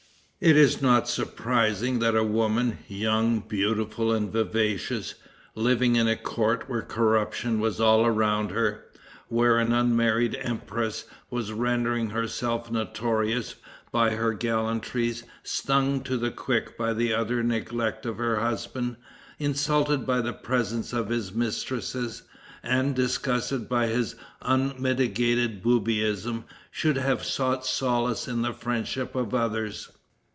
It is not surprising that a woman, young, beautiful and vivacious, living in a court where corruption was all around her, where an unmarried empress was rendering herself notorious by her gallantries, stung to the quick by the utter neglect of her husband, insulted by the presence of his mistresses, and disgusted by his unmitigated boobyism, should have sought solace in the friendship of others.